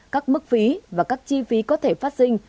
các mức phí và các chi phí có thể phát sinh